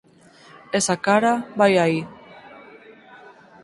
Esa cara, vai aí.